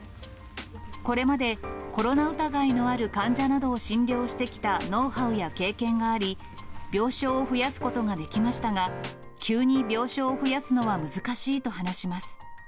これまでコロナ疑いのある患者などを診療してきたノウハウや経験があり、病床を増やすことができましたが、急に病床を増やすのは難しいと話します。